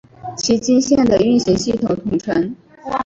崎京线的运行系统通称。